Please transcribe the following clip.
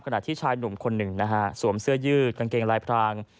ที่ชายหนุ่มคนหนึ่งนะฮะสวมเสื้อยืดกางเกงลายพราง